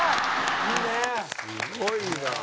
すごいな。